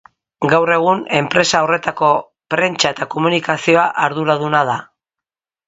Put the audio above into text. Gaur egun empresa horretako prentsa eta komunikazioa arduraduna da.